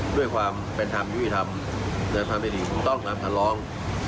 ด้วยความเป็นธรรมยี่วีธรรมและธรรมในติดต้องคือนำทะลอง